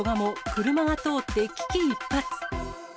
車が通って危機一髪。